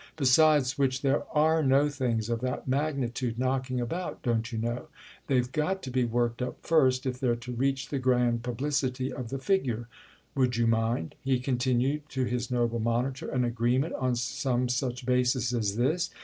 "Besides which there are no things of that magnitude knocking about, don't you know?—they've got to be worked up first if they're to reach the grand publicity of the Figure! Would you mind," he continued to his noble monitor, "an agreement on some such basis as this?